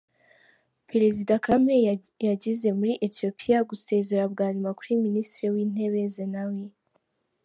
Perezida Kagame yageze muri Ethiopia gusezera bwa nyuma kuri Minisitiri w’Intebe Zenawi